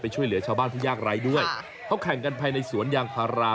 ช่วยเหลือชาวบ้านผู้ยากไร้ด้วยเขาแข่งกันภายในสวนยางพารา